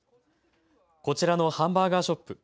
こちらのハンバーガーショップ。